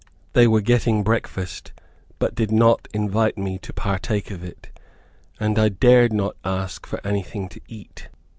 They were getting breakfast, but did not invite me to partake of it, and I dared not ask for anything to eat.